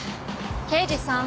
刑事さん。